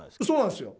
そうなんです。